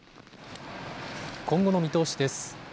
今後の見通しです。